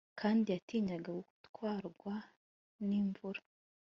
kandi yatinyaga gutwarwa n'imvura